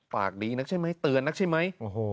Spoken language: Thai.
ฝากดีนักใช่ไหมเตือนนักใช่ไหม